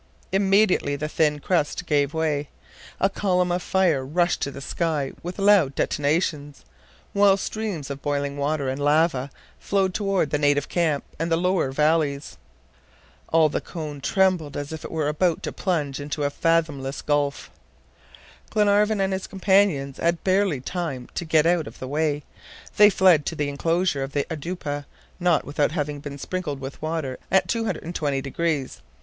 Immediately the thin crust gave way. A column of fire rushed to the sky with loud detonations, while streams of boiling water and lava flowed toward the native camp and the lower valleys. All the cone trembled as if it was about to plunge into a fathomless gulf. Glenarvan and his companions had barely time to get out of the way; they fled to the enclosure of the oudoupa, not without having been sprinkled with water at 220 degrees.